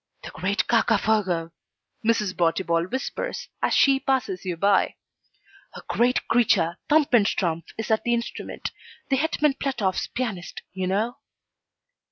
'The Great Cacafogo,' Mrs. Botibol whispers, as she passes you by. 'A great creature, Thumpenstrumpff, is at the instrument the Hetman Platoff's pianist, you know.'